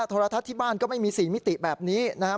โทรทัศน์ที่บ้านก็ไม่มี๔มิติแบบนี้นะครับ